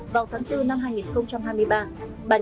vào tháng bốn năm hai nghìn hai mươi ba